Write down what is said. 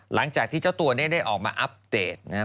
หลังจากที่เจ้าตัวนี้ได้ออกมาอัปเดตนะครับ